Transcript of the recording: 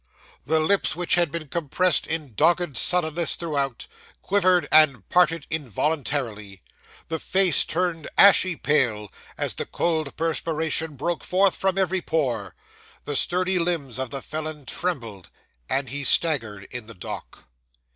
The lips which had been compressed in dogged sullenness throughout, quivered and parted involuntarily; the face turned ashy pale as the cold perspiration broke forth from every pore; the sturdy limbs of the felon trembled, and he staggered in the dock.